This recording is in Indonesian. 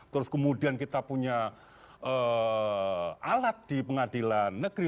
terus kemudian kita punya alat di pengadilan negeri